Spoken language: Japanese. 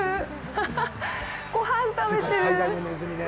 ハハごはん食べてる！